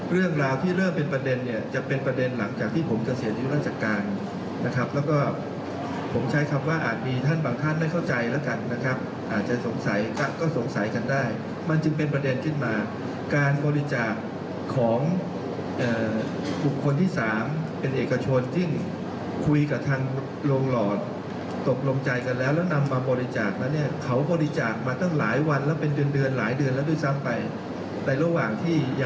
เรื่องราวที่เริ่มเป็นประเด็นเนี่ยจะเป็นประเด็นหลังจากที่ผมจะเสียริยุราชการนะครับแล้วก็ผมใช้คำว่าอาจมีท่านบางท่านไม่เข้าใจแล้วกันนะครับอาจจะสงสัยก็สงสัยกันได้มันจึงเป็นประเด็นขึ้นมาการบริจาคของเอ่อผู้คนที่สามเป็นเอกชนจริงคุยกับทางลงหลอดตกลงใจกันแล้วแล้วนำมาบริจาคแล้วเนี่ยเขาบริ